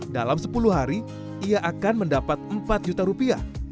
dalam sepuluh hari ia akan mendapat empat juta rupiah